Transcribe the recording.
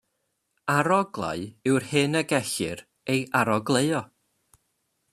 Aroglau yw'r hyn y gellir ei arogleuo.